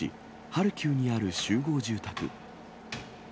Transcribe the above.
ハルキウにある集合住宅。